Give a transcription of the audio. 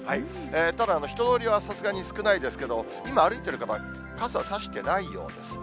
ただ、人通りはさすがに少ないですけど、今、歩いている方、傘差してないようですね。